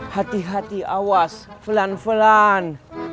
hati hati awas felan felan